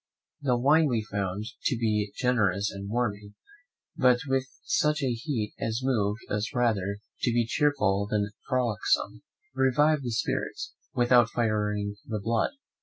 The wine we found to be generous and warming, but with such a heat as moved us rather to be cheerful than frolicsome. It revived the spirits, without firing the blood.